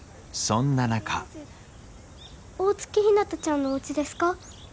そんな中大月ひなたちゃんのおうちですか？